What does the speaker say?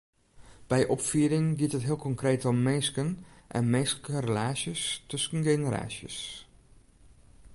By opfieding giet it heel konkreet om minsken en minsklike relaasjes tusken generaasjes.